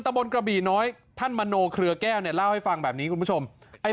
ตะบลกระบี่น้อยท่านมาโนเครือแก้วเล่าให้ฟังแบบนี้